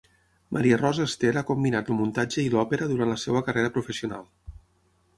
Maria Rosa Ester ha combinat el muntatge i l'òpera durant la seva carrera professional.